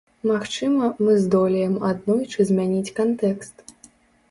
Магчыма, мы здолеем аднойчы змяніць кантэкст.